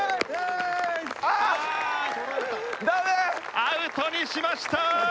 アウトにしました！